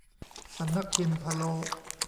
สำนักพิมพ์พะโล้